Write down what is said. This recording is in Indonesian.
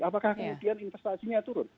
apakah kemudian investasinya turun